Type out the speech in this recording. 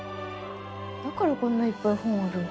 だからこんないっぱい本あるんか。